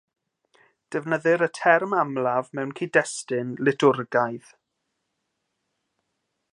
Defnyddir y term amlaf mewn cyd-destun litwrgaidd.